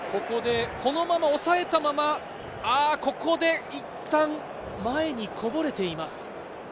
このままおさえたまま、ここでいったん前にこぼれています。